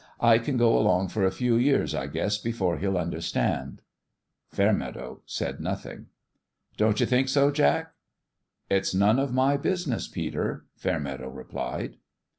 I can go along for a few years, I guess, before he'll understand." Fairmeadow said nothing. " Don't you think so, Jack?" "It's none of my business, Peter," Fair meadow replied.